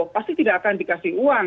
pasti tidak akan dikasih uang